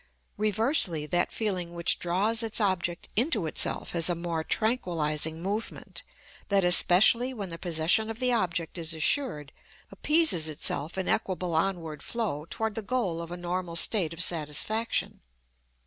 "Reversely, that feeling which draws its object into itself has a more tranquillizing movement, that especially when the possession of the object is assured, appeases itself in equable onward flow toward the goal of a normal state of satisfaction.